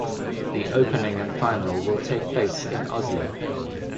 The opening and final will take place in Oslo.